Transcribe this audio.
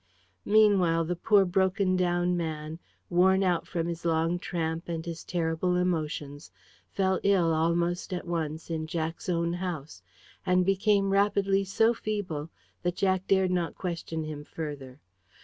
Meanwhile, the poor broken down man, worn out with his long tramp and his terrible emotions, fell ill almost at once, in Jack's own house, and became rapidly so feeble that Jack dared not question him further.